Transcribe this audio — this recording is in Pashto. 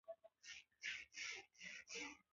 تاریخ د خپلو پښو ولاړ دی.